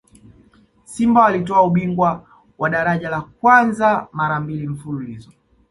simba walitwaa ubingwa wa ligi daraja la kwanza mara mbili mfululizo